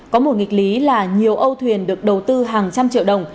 có một nghịch lý là nhiều âu thuyền được đầu tư hàng trăm triệu đồng